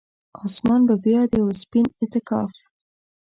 اسمان به بیا د یوه سپین اعتکاف،